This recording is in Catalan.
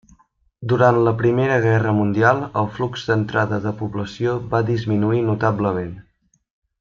Durant la Primera Guerra Mundial el flux d'entrada de població va disminuir notablement.